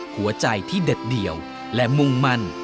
หัวใจที่เด็ดเดี่ยวและมุ่งมั่น